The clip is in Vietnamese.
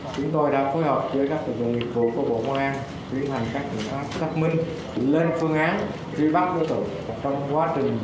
chúng tôi đã phối hợp với các tổ chức nghiệp vụ của bộ công an